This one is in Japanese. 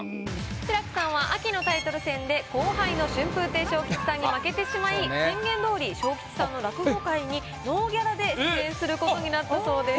志らくさんは秋のタイトル戦で後輩の春風亭昇吉さんに負けてしまい宣言どおり昇吉さんのすることになったそうです。